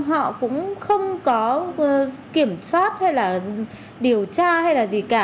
họ cũng không có kiểm soát hay là điều tra hay là gì cả